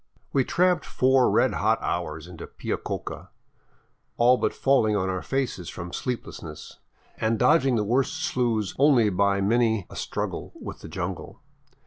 We tramped four red hot hours to Piococa, all but falling on our faces from sleepiness, and dodging t"he worst sloughs only by many a struggle with the jungle.